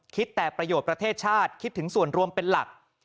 คิดแต่ประโยชน์ประเทศชาติคิดถึงส่วนรวมเป็นหลัก